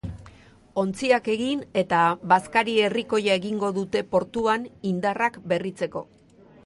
Ontziak egin eta bazkari herrikoia egingo dute portuan indarrak berritzeko.